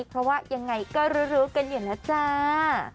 เพราะว่ายังไงก็รู้กันอยู่แล้วจ้า